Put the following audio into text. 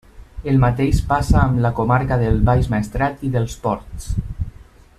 El mateix passa amb la comarca del Baix Maestrat i dels Ports.